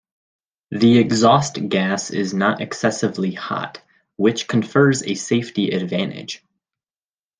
The exhaust gas is not excessively hot, which confers a safety advantage.